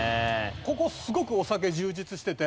ここすごくお酒充実してて。